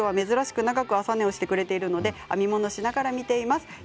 珍しく朝寝をしてくれているので編み物をしながら見ています。